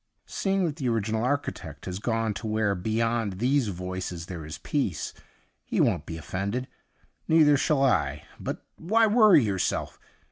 ' Seeing that the original archi tect has gone to where beyond these voices there is peace, he won't be offended. Neither shall I. But why worry yourself?